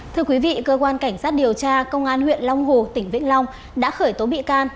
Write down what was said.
thưa quý vị cơ quan cảnh sát điều tra công an huyện long hồ tỉnh vĩnh long đã khởi tố bị can